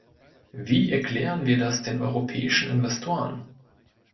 Wie erklären wir das den europäischen Investoren?